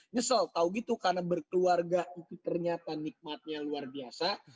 nyesel tau gitu karena berkeluarga itu ternyata nikmatnya luar biasa